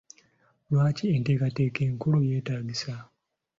Lwaki enteekateeka enkulu yeetaagisa?